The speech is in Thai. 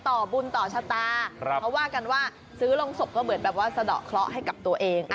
ต่อบุญต่อชะตาเขาว่ากันว่าซื้อลงศพก็เหมือนแบบว่าสะดอกเคราะห์ให้กับตัวเอง